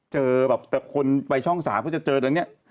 เจอแบบคนไปช่องสาวก็จะเจอแบบนี้